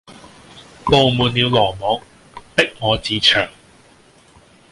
布滿了羅網，逼我自戕。